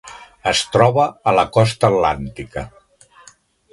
Es troba a la costa atlàntica.